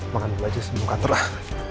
makan dulu aja sebelum kantor lah